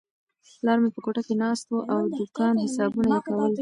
پلار مې په کوټه کې ناست و او د دوکان حسابونه یې کول.